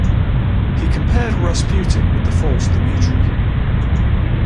He compared Rasputin with the False Dmitri.